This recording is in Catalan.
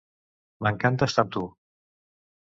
M'encanta estar amb tu.